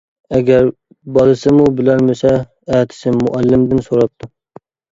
ئەگەر بالىسىمۇ بىلەلمىسە، ئەتىسى مۇئەللىمدىن سوراپتۇ.